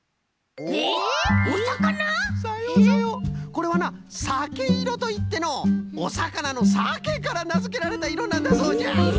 これはなさけいろといってのうおさかなのさけからなづけられたいろなんだそうじゃ。